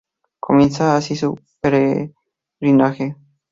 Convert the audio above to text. Comienza así su peregrinaje.